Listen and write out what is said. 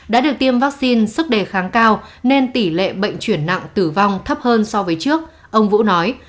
đã được tiêm vaccine sức đề kháng cao nên tỷ lệ bệnh chuyển nặng tử vong thấp hơn so với trước ông vũ nói